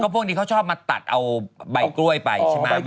พวกนี้เขาชอบมาตัดเอาใบกล้วยไป